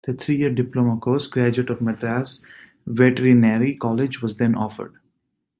The three-year diploma course, Graduate of Madras Veterinary College, was then offered.